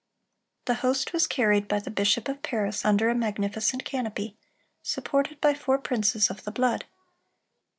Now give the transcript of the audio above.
"The host was carried by the bishop of Paris under a magnificent canopy, ... supported by four princes of the blood....